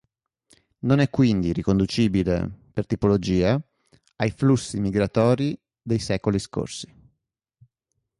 Non è quindi riconducibile, per tipologia, ai flussi migratori dei secoli scorsi.